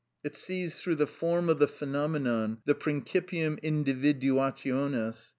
It sees through the form of the phenomenon, the principium individuationis.